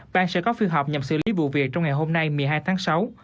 ban sẽ có phiêu hợp nhằm xử lý vụ việc trong ngày hôm nay một mươi hai tháng sáu